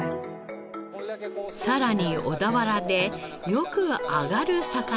さらに小田原でよく揚がる魚がこちら。